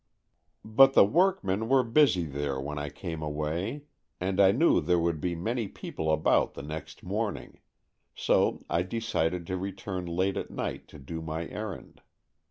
But the workmen were busy there when I came away, and I knew there would be many people about the next morning; so I decided to return late at night to do my errand.